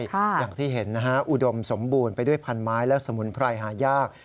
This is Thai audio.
อย่างที่เห็นนะฮะอุดมสมบูรณ์ไปด้วยพันไม้และสมุนไพรหายาก